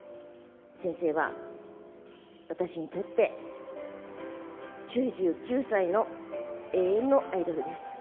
先生は私にとって、９９歳の永遠のアイドルです。